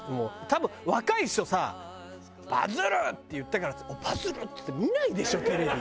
多分若い人さ「バズる」って言ったからって「おっバズる！？」っつって見ないでしょテレビ。